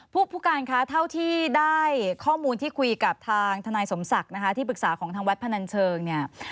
พวกผู้การที่ได้ข้อมูลที่คุยกับทางทนายสมศักดิ์ที่ปรึกษาของทางวัดพนันเชิง